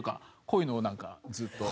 こういうのをなんかずっと。